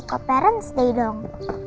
ke parents day dong